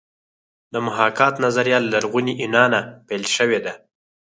د محاکات نظریه له لرغوني یونانه پیل شوې ده